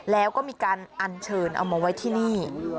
แล้วก็มีการอัญเชิญเอามาไว้ที่นี่